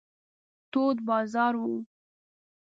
تود بازار و.